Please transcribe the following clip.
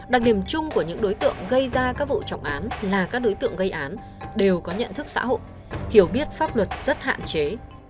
đặc điểm chung của những đối tượng gây ra các vụ trọng án là các đối tượng gây án đều có nhận thức xã hội hiểu biết pháp luật rất hạn chế